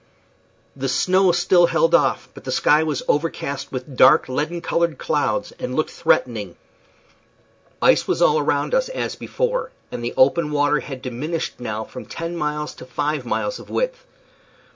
The snow still held off, but the sky was overcast with dark, leaden colored clouds, and looked threatening. Ice was all around us as before; and the open water had diminished now from ten miles to five miles of width.